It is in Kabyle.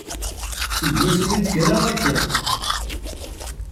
Seg wasmi i d-kkreɣ akka.